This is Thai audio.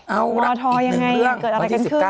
เอาล่ะอีกหนึ่งเรื่องวันที่๑๙